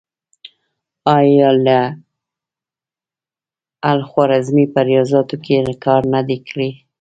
آیا الخوارزمي په ریاضیاتو کې کار نه دی کړی؟